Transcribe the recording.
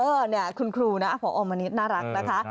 เออนี่คุณครูผอมณิตน่ารักนะคะ